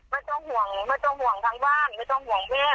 ไม่ต้องห่วงไม่ต้องห่วงทั้งบ้านไม่ต้องห่วงแม่